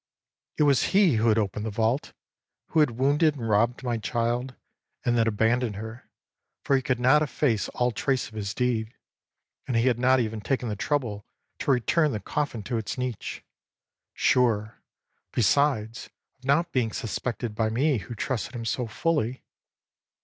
âIt was he who had opened the vault, who had wounded and robbed my child, and then abandoned her; for he could not efface all trace of his deed; and he had not even taken the trouble to return the coffin to its niche; sure, besides, of not being suspected by me, who trusted him so fully.